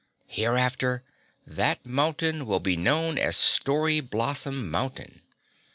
Hereafter that mountain will be known as Story Blossom Mountain.